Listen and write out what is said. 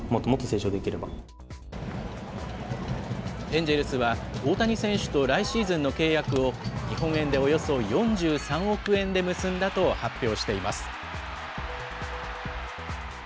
エンジェルスは、大谷選手と来シーズンの契約を、日本円でおよそ４３億円で結んだと発表しています。